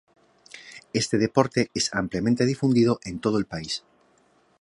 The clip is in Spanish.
Este deporte es ampliamente difundido en todo el país.